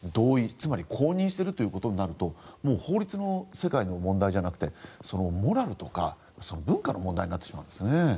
つまり公認していることになるともう法律の世界の問題じゃなくてモラルとか文化の問題になってしまうんですね。